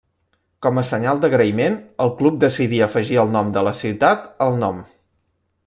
Com a senyal d'agraïment el club decidí afegir el nom de la ciutat al nom.